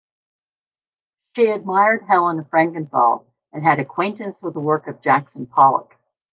She admired Helen Frankenthal and had acquaintance with the work of Jackson Pollock.